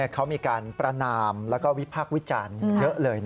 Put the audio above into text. เขามีการประนามแล้วก็วิพากษ์วิจารณ์เยอะเลย